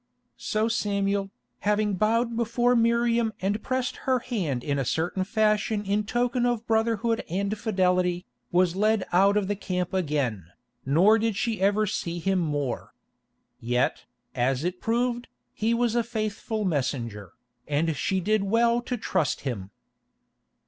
So Samuel, having bowed before Miriam and pressed her hand in a certain fashion in token of brotherhood and fidelity, was led out of the camp again, nor did she ever see him more. Yet, as it proved, he was a faithful messenger, and she did well to trust him.